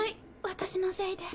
私のせいで。